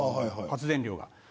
発電量が。